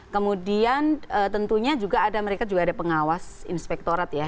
kemudian tentunya juga ada mereka juga ada pengawas inspektorat ya